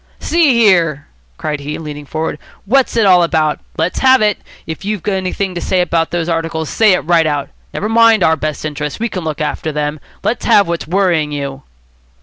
"See here," cried he, leaning forward, "what's it all about? Let's have it. If you've anything to say about those articles, say it right out. Never mind our best interests. We can look after them. Let's have what's worrying you."